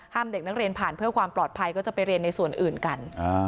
เด็กนักเรียนผ่านเพื่อความปลอดภัยก็จะไปเรียนในส่วนอื่นกัน